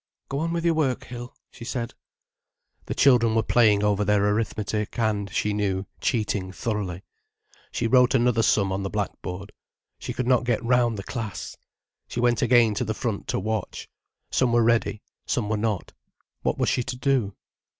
"Go on with your work, Hill," she said. The children were playing over their arithmetic, and, she knew, cheating thoroughly. She wrote another sum on the blackboard. She could not get round the class. She went again to the front to watch. Some were ready. Some were not. What was she to do?